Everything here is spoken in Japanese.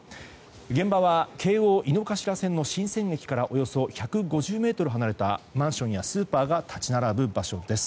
現場は京王井の頭線の神泉駅からおよそ１５０ｍ離れたマンションやスーパーが立ち並ぶ場所です。